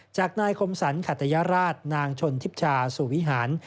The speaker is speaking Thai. จากนายคมสรรขัตยราชนางชนทิพชาสู่วิหาร